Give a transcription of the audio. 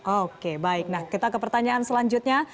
oke baik nah kita ke pertanyaan selanjutnya